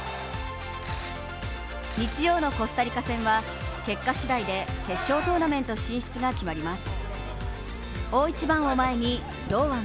日曜のコスタリカ戦は、結果次第で決勝トーナメント進出が決まります